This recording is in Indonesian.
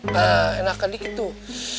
nah enakan dikit tuh